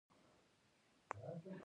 انجینر باید مسلکي کړنې په دقت ترسره کړي.